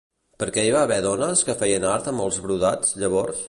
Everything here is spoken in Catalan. Per què hi va haver dones que feien art amb els brodats llavors?